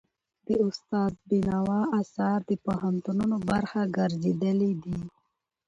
د استاد بينوا آثار د پوهنتونونو برخه ګرځېدلي دي.